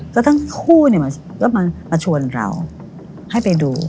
ก็ทั้งคู่ก็มาชวนเราให้ไปดู